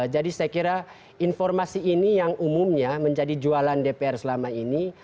jadi saya kira informasi ini yang umumnya menjadi jualan dpr selama ini